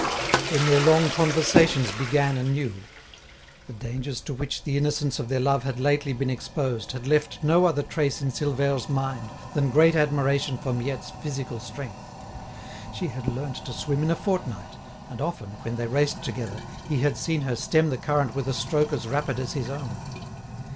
Then their long conversations began anew. The dangers to which the innocence of their love had lately been exposed had left no other trace in Silvère's mind than great admiration for Miette's physical strength. She had learned to swim in a fortnight, and often, when they raced together, he had seen her stem the current with a stroke as rapid as his own.